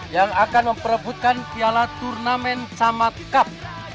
yang akan memperebutkan piala turnamen camat cup